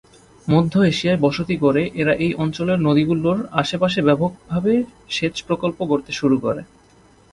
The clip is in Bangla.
মধ্য এশিয়ায় বসতি গড়ে এরা এই অঞ্চলের নদীগুলোর আশেপাশে ব্যাপকভাবে সেচ প্রকল্প গড়তে শুরু করে।